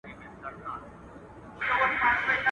تفریح د خوشحال ژوند برخه ده